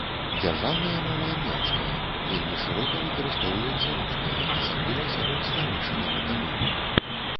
Дзяржаўная мова армянская, вельмі шырока выкарыстоўваецца руская, асабліва сярод старэйшага пакалення.